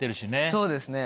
そうですね。